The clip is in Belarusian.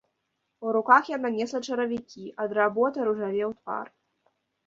У руках яна несла чаравікі, ад работы ружавеў твар.